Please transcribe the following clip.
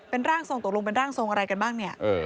เป็นร่างทรงตกลงเป็นร่างทรงอะไรกันบ้างเนี่ย